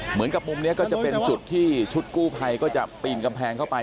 เหมือนกับมุมนี้ก็จะเป็นจุดที่ชุดกู้ภัยก็จะปีนกำแพงเข้าไป